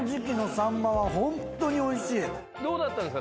どうだったんすか？